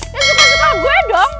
dia suka suka gue dong